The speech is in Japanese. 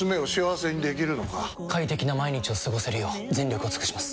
快適な毎日を過ごせるよう全力を尽くします！